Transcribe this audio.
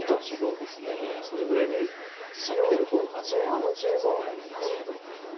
そうですねそれぐらいで受ける方が普通には見えますけど。